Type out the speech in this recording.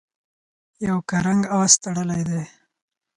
یو کرنګ آس تړلی دی.